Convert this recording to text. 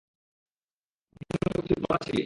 প্রথমে তো তুই খুব মোটা ছিলি।